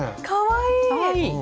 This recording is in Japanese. かわいい！